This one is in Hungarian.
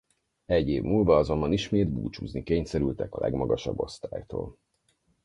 Egy év múlva azonban ismét búcsúzni kényszerültek a legmagasabb osztálytól.